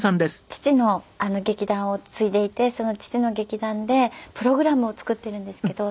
父の劇団を継いでいてその父の劇団でプログラムを作っているんですけど。